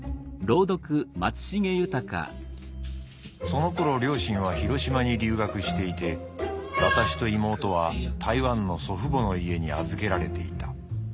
「そのころ両親は広島に留学していて私と妹は台湾の祖父母の家に預けられていた。